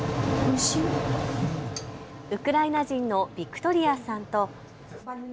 ウクライナ人のビクトリアさんと。